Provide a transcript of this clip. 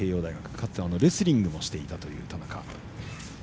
かつてレスリングもしていたという田中。